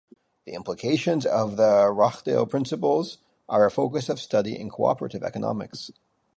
The implications of the Rochdale Principles are a focus of study in co-operative economics.